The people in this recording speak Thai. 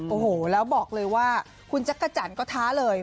โอ้โหแล้วบอกเลยว่าคุณจักรจันทร์ก็ท้าเลย